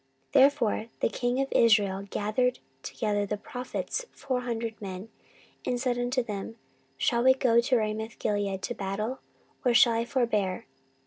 14:018:005 Therefore the king of Israel gathered together of prophets four hundred men, and said unto them, Shall we go to Ramothgilead to battle, or shall I forbear?